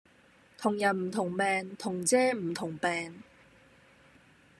同人唔同命同遮唔同柄